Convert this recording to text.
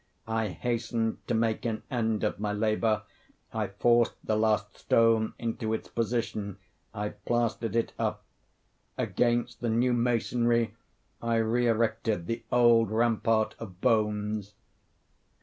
I hastened to make an end of my labor. I forced the last stone into its position; I plastered it up. Against the new masonry I re erected the old rampart of bones.